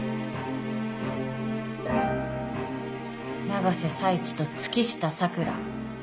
永瀬財地と月下咲良。